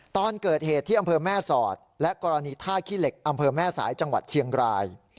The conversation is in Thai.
ตอนเกิดเหตุที่อำเภอแม่สอดและกรณีท่าขี้เหล็กอำเภอแม่สายจังหวัดเชียงราย